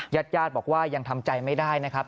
ญาติญาติบอกว่ายังทำใจไม่ได้นะครับ